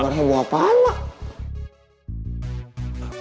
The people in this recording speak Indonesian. kabar heboh apaan mak